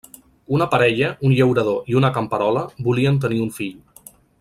Una parella, un llaurador i una camperola, volien tenir un fill.